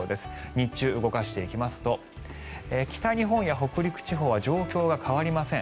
日中、動かしていきますと北日本や北陸地方は状況が変わりません。